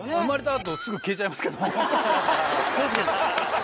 確かに。